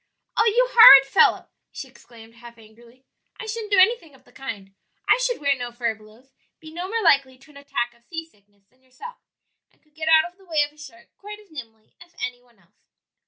"Oh, you horrid fellow!" she exclaimed, half angrily; "I shouldn't do anything of the kind; I should wear no furbelows, be no more likely to an attack of sea sickness than yourself, and could get out of the way of a shark quite as nimbly as any one else."